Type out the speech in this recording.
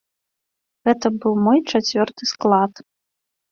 Гэта быў мой чацвёрты склад.